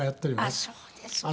あっそうですか。